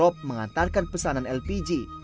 rop mengantarkan pesanan lpg